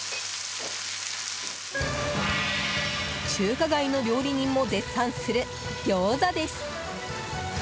中華街の料理人も絶賛するギョーザです。